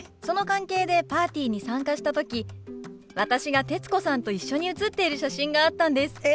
その関係でパーティーに参加した時私が徹子さんと一緒に写っている写真があったんです。